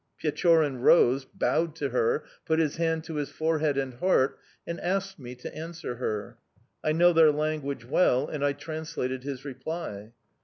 "Pechorin rose, bowed to her, put his hand to his forehead and heart, and asked me to answer her. I know their language well, and I translated his reply.